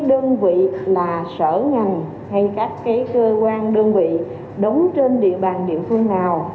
đơn vị là sở ngành hay các cơ quan đơn vị đóng trên địa bàn địa phương nào